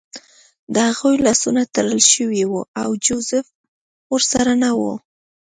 د هغوی لاسونه تړل شوي وو او جوزف ورسره نه و